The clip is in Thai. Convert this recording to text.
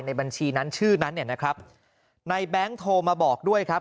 บัญชีนั้นชื่อนั้นเนี่ยนะครับในแบงค์โทรมาบอกด้วยครับ